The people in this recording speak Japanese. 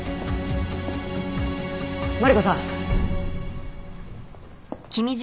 マリコさん。